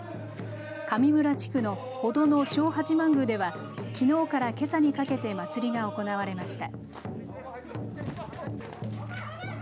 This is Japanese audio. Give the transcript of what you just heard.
上村地区の程野正八幡宮ではきのうからけさにかけて祭りが行われました。